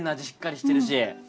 しっかりしてるし。